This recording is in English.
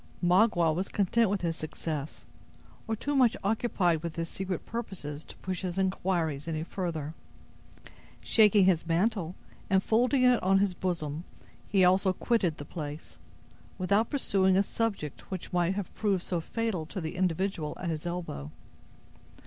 Magua was content with his success, or too much occupied with his secret purposes to push his inquiries any further. Shaking his mantle, and folding it on his bosom, he also quitted the place, without pursuing a subject which might have proved so fatal to the individual at his elbow.